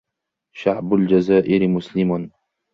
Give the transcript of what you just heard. شعب الجزائر مسلم